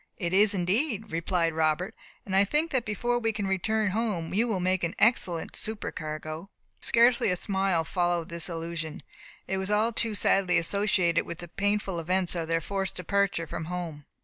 "It is indeed," replied Robert, "and I think that before we can return home, you will make an excellent supercargo." Scarcely a smile followed this allusion; it was too sadly associated with the painful events of their forced departure from home.